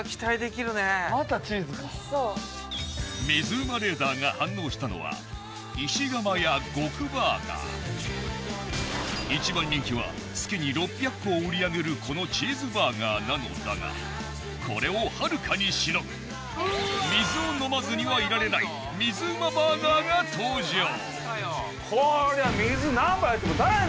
水うまレーダーが反応したのは一番人気は月に６００個を売り上げるこのチーズバーガーなのだがこれをはるかにしのぐ水を飲まずにはいられない水うまバーガーが登場。